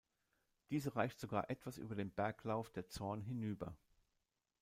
Diese reicht sogar etwas über den Berglauf der Zorn hinüber.